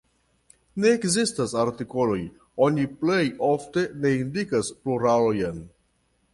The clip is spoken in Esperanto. Ne ekzistas artikoloj; oni plej ofte ne indikas pluralon.